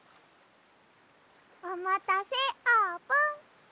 おまたせあーぷん。